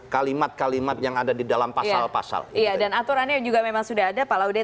kalimat kalimat yang ada di dalam pasal pasal dan aturannya juga memang sudah ada pak laude